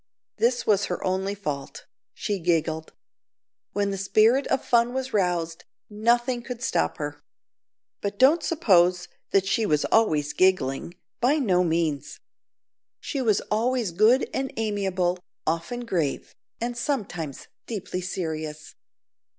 This was her only fault, she giggled. When the spirit of fun was roused, nothing could stop her. But don't suppose that she was always giggling; by no means. She was always good and amiable, often grave, and sometimes deeply serious.